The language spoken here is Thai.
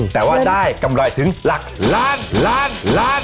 แต่ว่าได้กำไรถึงหลักล้านล้านล้าน